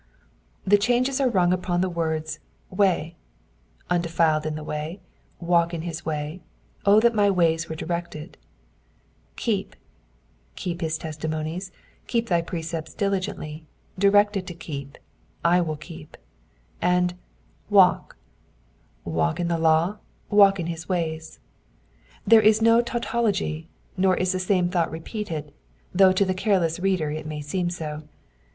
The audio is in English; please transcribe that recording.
The changes are rung upon the words way "—undefiled in the way," walk in his tDoys," thai my ways were directed'* :keep"— fceep his testimonies," keep thy precepts diligently," directed to keep," *•/ unit keep*' : and walk "—toalk in the law, •• wcUk in hXs ways." Yet there is no tautology, nor is the same thought repeated, though to the cardess reader U may seem so.